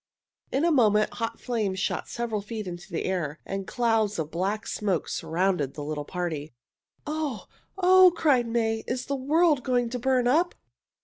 In a moment hot flames shot several feet into the air, and clouds of black smoke surrounded the little party. "Oh! oh!" cried May. "Is the world going to burn up?"